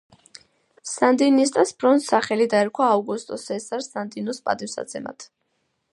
სანდინისტას ფრონტს სახელი დაერქვა აუგუსტო სესარ სანდინოს პატივსაცემად.